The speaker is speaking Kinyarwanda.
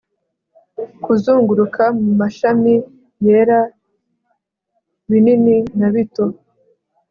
Kuzunguruka mu mashami yera binini na bito